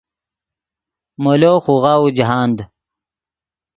مولو خوغاؤو جاہند